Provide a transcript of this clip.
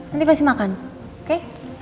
nanti pasti makan oke